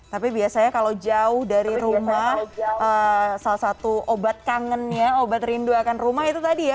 tapi biasanya kalau jauh dari rumah salah satu obat kangennya obat rindu akan rumah itu tadi ya